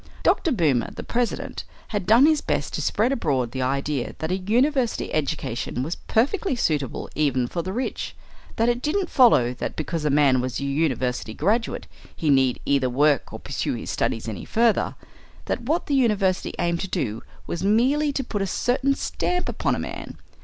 Dr. Boomer, the president, had done his best to spread abroad the idea that a university education was perfectly suitable even for the rich; that it didn't follow that because a man was a university graduate he need either work or pursue his studies any further; that what the university aimed to do was merely to put a certain stamp upon a man.